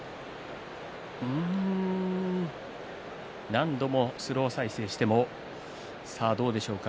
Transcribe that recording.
何度もスロー再生してもどうでしょうか。